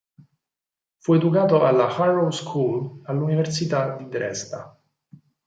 Fu educato alla Harrow School e all'Università di Dresda.